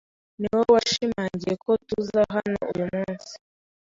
Niwowe washimangiye ko tuza hano uyu munsi.